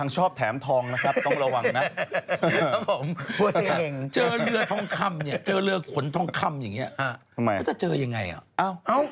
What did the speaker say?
ชอบแถมทองนะครับต้องระวังนะเจอเรือทองคำเนี่ยเจอเรือขนทองคำอย่างนี้เขาจะเจอยังไงอ่ะ